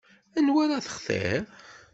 Anwa ara textir?